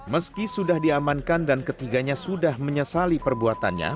meski sudah diamankan dan ketiganya sudah menyesali perbuatannya